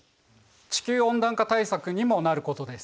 地球温暖化対策にもなることです。